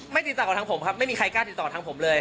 ติดต่อกับทางผมครับไม่มีใครกล้าติดต่อทางผมเลย